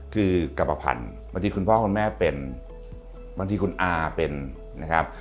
คือกรรมภัณฑ์บางทีคุณพ่อคุณแม่เป็นบางทีคุณอาเป็นนะครับ